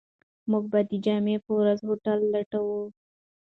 موږ به د جمعې په ورځ هوټل لټوو.